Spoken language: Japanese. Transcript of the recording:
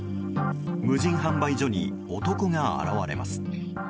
無人販売所に男が現れます。